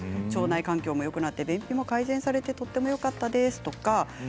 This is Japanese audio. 腸内環境もよくなって便秘も改善されてとてもよかったです。